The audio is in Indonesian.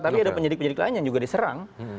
tapi ada penyidik penyidik lain yang juga diserang